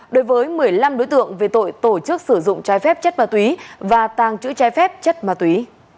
đối với một mươi năm đối tượng về tội tổ chức sử dụng trái phép chất ma túy và tàng trữ trái phép chất ma túy